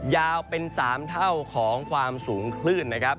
ยาวเป็น๓เท่าของความสูงคลื่นนะครับ